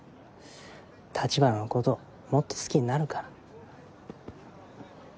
橘のこともっと好きになるから。